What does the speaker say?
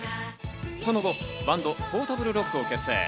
その後、バンド、ポータブル・ロックを結成。